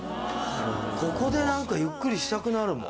ここで何かゆっくりしたくなるもん。